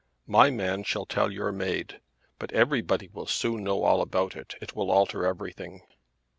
"My man shall tell your maid. But everybody will soon know all about it. It will alter everything."